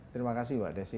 terima kasih mbak desy